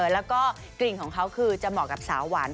แล้วก็กลิ่นของเขาคือจะเหมาะกับสาวหวาน